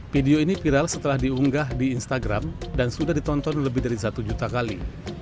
video ini viral setelah diunggah di instagram dan sudah ditonton lebih dari satu juta kali